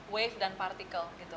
wave dan partikel